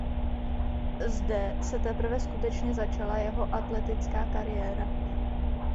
Zde se teprve skutečně začala jeho atletická kariéra.